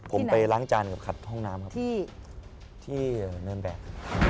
ผมไปล้างจานกับขัดห้องน้ำครับที่เนินแบก